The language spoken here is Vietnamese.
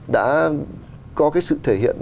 đã có sự thể hiện